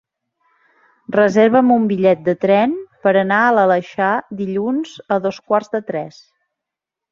Reserva'm un bitllet de tren per anar a l'Aleixar dilluns a dos quarts de tres.